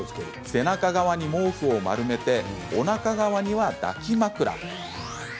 背中側に毛布を丸めておなか側には抱き枕。